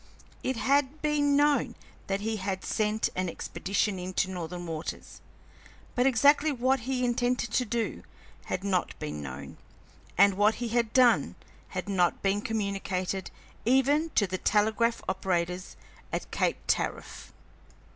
It had been known that he had sent an expedition into Northern waters, but exactly what he intended to do had not been known, and what he had done had not been communicated even to the telegraph operators at Cape Tariff.